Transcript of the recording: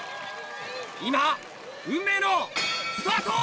今運命のスタート！